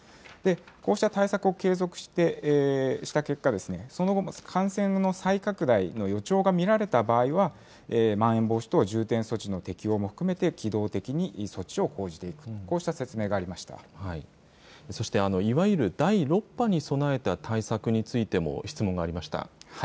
こうした対策を継続した結果、その後も感染の再拡大の予兆が見られた場合は、まん延防止等重点措置の適用も含めて、機動的に措置を講じていく、こうした説明がそして、いわゆる第６波に備えた対策についても質問がありました。